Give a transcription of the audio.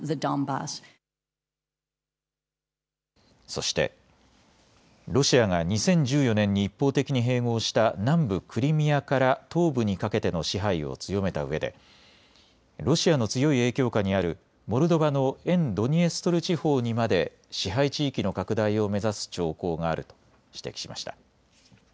そして、ロシアが２０１４年に一方的に併合した南部クリミアから東部にかけての支配を強めたうえでロシアの強い影響下にあるモルドバの沿ドニエストル地方にまで支配地域の拡大を目指す兆候があると指摘しました。